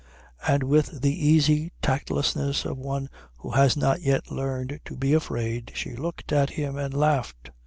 And with the easy tactlessness of one who has not yet learned to be afraid, she looked at him and laughed.